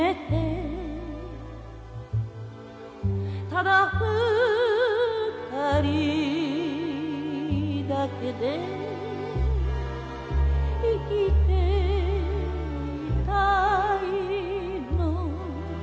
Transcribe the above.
「ただ二人だけで生きていたいの」